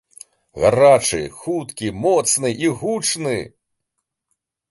Гарачы, хуткі, моцны і гучны!!